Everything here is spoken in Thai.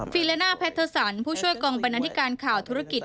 ีเลน่าแพทเทอร์สันผู้ช่วยกองบรรณาธิการข่าวธุรกิจ